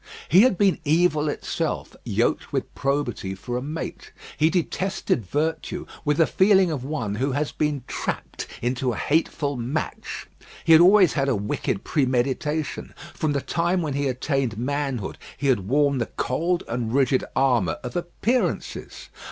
He had been evil itself, yoked with probity for a mate. He detested virtue with the feeling of one who has been trapped into a hateful match. He had always had a wicked premeditation; from the time when he attained manhood he had worn the cold and rigid armour of appearances.